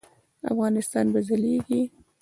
افغانستان به ځلیږي